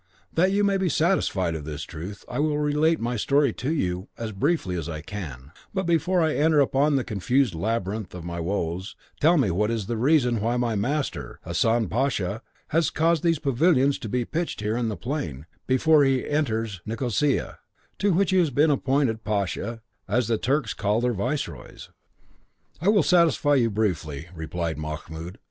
That you may be satisfied of this truth, I will relate my story to you, as briefly as I can; but before I enter upon the confused labyrinth of my woes, tell me what is the reason why my master, Hassan Pasha, has caused these pavilions to be pitched here in the plain, before he enters Nicosia, to which he has been appointed pasha, as the Turks call their viceroys." "I will satisfy you briefly," replied Mahmoud.